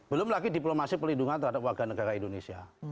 belum lagi diplomasi pelindungan terhadap warga negara indonesia